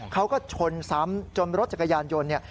เขาก็ชนซ้ำจนรถจักรยานยนต์เนี่ย